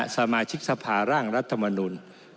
สมาชิกสภาร่างรัฐมนุน